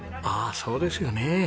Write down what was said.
ああそうですよね。